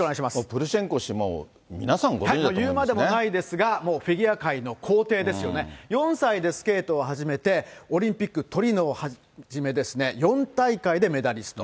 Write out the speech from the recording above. プルシェンコ氏も皆さん、言うまでもないですが、フィギュア界の皇帝で、４歳でスケートを始めて、オリンピック、トリノをはじめ、４大会でメダリスト。